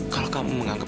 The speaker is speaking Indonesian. kalau kamu menganggap